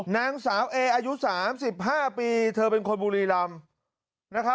นางสาวเออายุ๓๕ปีเธอเป็นคนบุรีรำ